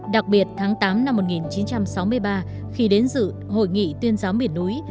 đặc biệt tháng tám năm một nghìn chín trăm sáu mươi ba khi đến dự hội nghị tuyên giáo miền núi